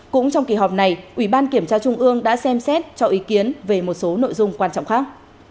cũng trong kỳ họp này ủy ban kiểm tra trung ương đã xem xét cho ý kiến về một số nội dung quan trọng khác